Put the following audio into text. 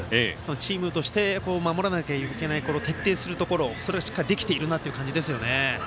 チームとして守らなきゃいけない徹底すべきところそれをしっかりできているなという感じですよね。